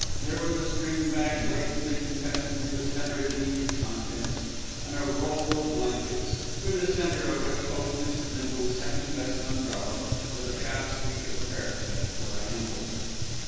There was a string bag blatantly confessing to its heterogeneous contents, and a roll of blankets, through the centre of which poked Mrs. Bindle's second best umbrella, with a travesty of a parrot's head for a handle.